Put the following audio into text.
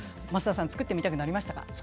増田さん作ってみたくなりましたか？